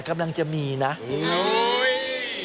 เค้ีนั้น